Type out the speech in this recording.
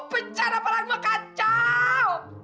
pencar apalagi mah kacau